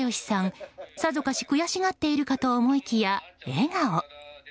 さぞかし悔しがっているかと思いきや笑顔。